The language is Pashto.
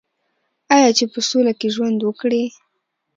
آیا چې په سوله کې ژوند وکړي؟